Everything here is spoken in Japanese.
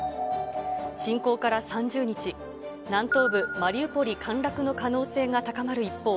侵攻から３０日、南東部マリウポリ陥落の可能性が高まる一方、